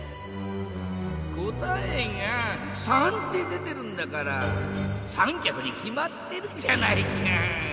答えが「３」って出てるんだから３きゃくにきまってるじゃないか！